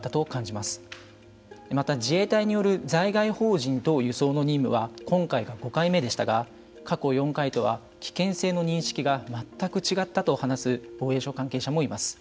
また自衛隊による在外邦人等輸送の任務は今回が５回目でしたが過去４回とは危険性の認識が全く違ったと話す防衛省関係者もいます。